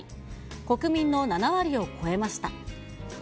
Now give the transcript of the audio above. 国民の７割を超えました。